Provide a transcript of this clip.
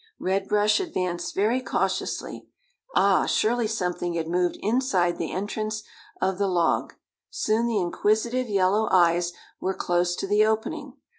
Red Brush advanced very cautiously. Ah, surely something had moved inside the entrance of the log. Soon the inquisitive yellow eyes were close to the opening.